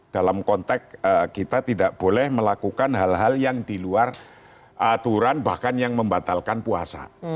dalam konteks kita tidak boleh melakukan hal hal yang di luar aturan bahkan yang membatalkan puasa